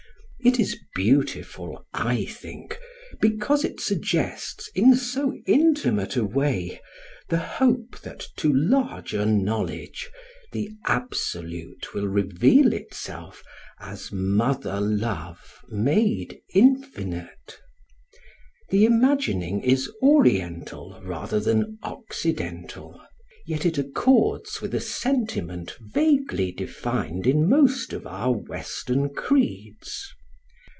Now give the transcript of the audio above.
It is beautiful, I think, because it suggests, in so intimate a way, the hope that to larger knowledge the Absolute will reveal itself as mother love made infinite. The imagining is Oriental rather than Occidental ; yet it accords with a sentiment vaguely defined in most of our Western creeds.